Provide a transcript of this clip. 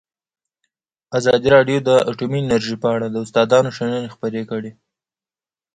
ازادي راډیو د اټومي انرژي په اړه د استادانو شننې خپرې کړي.